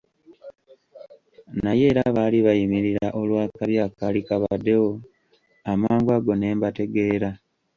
Naye era baali bayimirira olw'akabi akaali kabaddewo; amangu ago ne mbategeera.